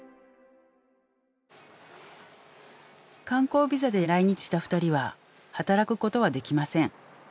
観光ビザで来日した２人は働くことはできません。